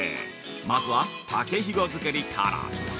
まずは竹ひご作りから。